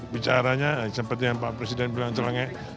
bicaranya seperti yang pak presiden bilang celenge en